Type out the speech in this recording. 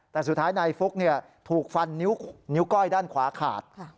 แต่สุดท้ายนายฟุ๊กถูกฟันนิ้วก้อยด้านขวาขาด